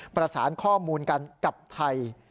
ประสานข้อมูลกันกับไทย